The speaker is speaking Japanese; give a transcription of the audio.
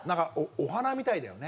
お花みたいだよね。